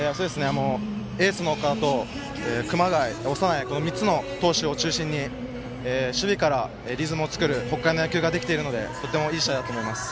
エースの岡田と熊谷、長内３人の投手を中心に守備からリズムを作る北海の野球ができているのでとてもいい試合だと思います。